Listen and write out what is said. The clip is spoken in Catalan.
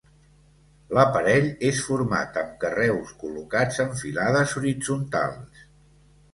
L'aparell és format amb carreus col·locats en filades horitzontals.